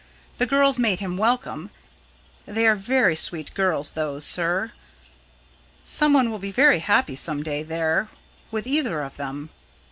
The girls made him welcome they are very sweet girls those, sir; someone will be very happy some day there with either of them."